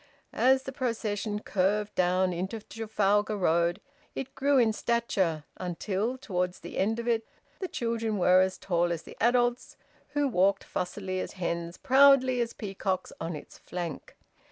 As the procession curved down into Trafalgar Road, it grew in stature, until, towards the end of it, the children were as tall as the adults who walked fussily as hens, proudly as peacocks, on its flank.